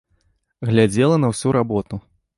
Глядзела на ўсю работу.